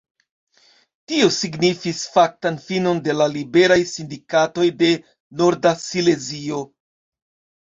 Tio signifis faktan finon de la Liberaj Sindikatoj de Norda Silezio.